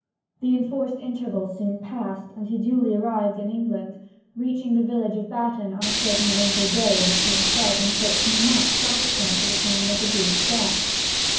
The enforced interval soon passed, and he duly arrived in England, reaching the village of Batton on a certain winter day between twelve and thirteen months subsequent to the time of the Duke's death.